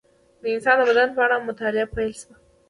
د انسان د بدن په اړه مطالعه پیل شوه.